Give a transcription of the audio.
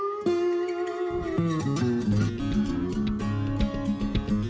tentu saja bisa digunakan untuk men sambungkan siapapun yang tidakshirt pada perjanjian ini